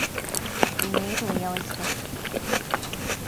Viņa ir lieliska.